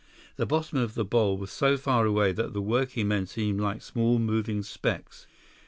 The bottom of the bowl was so far away that the working men seemed like small moving specks.